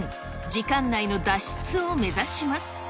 時間内の脱出を目指します。